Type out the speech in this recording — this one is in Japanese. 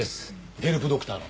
「ヘルプドクター」の。